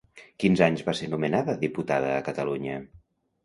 Quins anys va ser nomenada diputada a Catalunya?